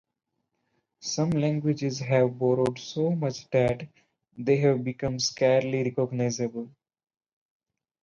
Some languages have borrowed so much that they have become scarcely recognizable.